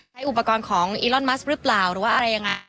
ใช้อุปกรณ์ของอิรอนมัสรึเปล่าหรือว่าอะไรอย่างนั้น